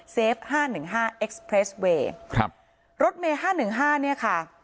ห้าหนึ่งห้าเอ็กซ์เพรสเวย์ครับรถเมห้าหนึ่งห้าเนี่ยค่ะ